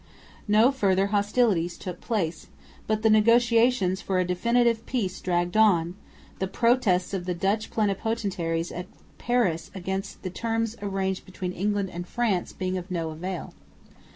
No further hostilities took place, but the negotiations for a definitive peace dragged on, the protests of the Dutch plenipotentiaries at Paris against the terms arranged between England and France being of no avail.